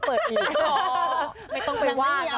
พี่แฟนคับมากกว่าค่ะ